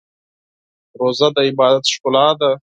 روژه د عبادت ښکلا ده.